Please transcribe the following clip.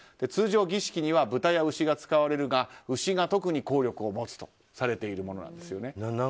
通常儀式には豚や牛が使われるが牛が特に効力を持つとされているものなんです。